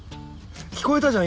聞こえたじゃん